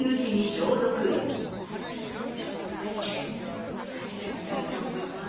消毒して入ってみたいと思います。